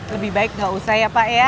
lebih baik enggak usah ya pak